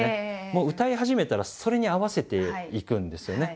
もう歌い始めたらそれに合わせていくんですよね。